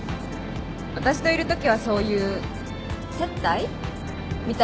私といるときはそういう接待？みたいなの大丈夫だから。